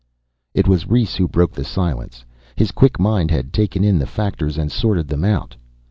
It was Rhes who broke the silence. His quick mind had taken in the factors and sorted them out.